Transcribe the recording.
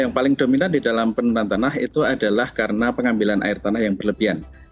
yang paling dominan di dalam penurunan tanah itu adalah karena pengambilan air tanah yang berlebihan